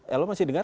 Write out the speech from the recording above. elo masih dengar